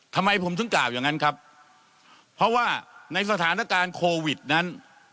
ทำไมผมถึงกล่าวอย่างนั้นครับเพราะว่าในสถานการณ์โควิดนั้น